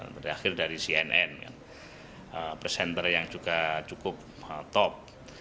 terakhir dari cnn presenter yang juga cukup top